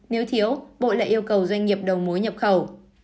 nếu thiếu bộ lại yêu cầu doanh nghiệp đầu mối nhập khẩu